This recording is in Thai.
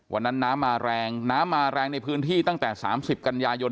วันนั้นน้ำมาแรงน้ำมาแรงในพื้นที่ตั้งแต่๓๐กันยายน